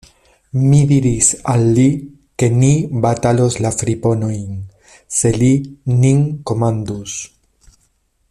Mi diris al li, ke ni batalos la friponojn, se li nin komandus.